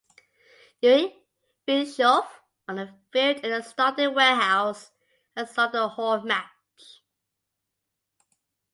Yuriy viyshov on the field in the starting warehouse and saw the whole match.